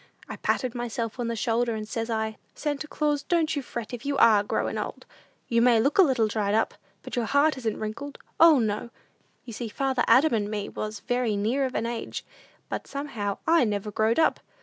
I patted myself on the shoulder, and says I, 'Santa Claus, don't you fret if you are growin' old! You may look a little dried up, but your heart isn't wrinkled; O no!' You see father Adam and me was very near of an age, but somehow I never growed up!